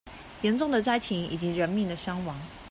嚴重的災情以及人命的傷亡